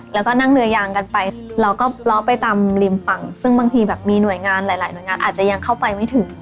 แล้วก็นั่งเรือยางกันไปเราก็ล้อไปตามริมฝั่งซึ่งบางทีแบบมีหน่วยงานหลายหน่วยงานอาจจะยังเข้าไปไม่ถึง